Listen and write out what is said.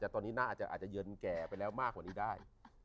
แต่ตอนนี้หน้าอาจจะเย็นแก่ไปแล้วมากกว่านี้ได้